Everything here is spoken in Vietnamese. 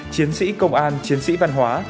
chiến sĩ công an chiến sĩ văn hóa